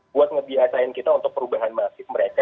buat ngebiacain kita untuk perubahan maksimal mereka